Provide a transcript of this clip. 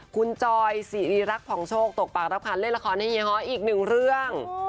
คุณจอยสิริรักษ์ผ่องโชคตกปากรับคันเล่นละครให้เฮีฮออีกหนึ่งเรื่อง